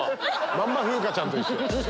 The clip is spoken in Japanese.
まんま風花ちゃんと一緒や。